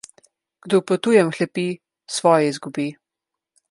Kdor po tujem hlepi, svoje izgubi.